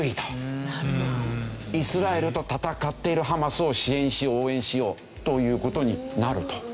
イスラエルと戦っているハマスを支援し応援しようという事になると。